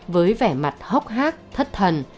với vẻ mặt hốc hát thất thần